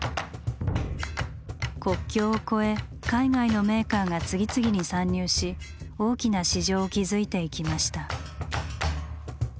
国境を超え海外のメーカーが次々に参入し大きな市場を築いていきました。